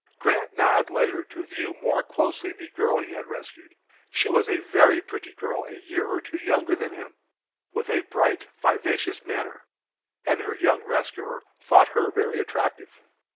Grant now had leisure to view more closely the girl he had rescued. She was a very pretty girl, a year or two younger than himself, with a bright, vivacious manner, and her young rescuer thought her very attractive.